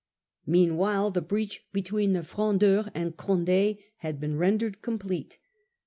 Meanwhile the breach between the Frondeurs and Condd had been rendered complete.